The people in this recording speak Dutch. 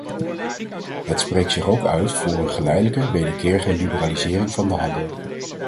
Het spreekt zich ook uit voor een geleidelijke, wederkerige liberalisering van de handel.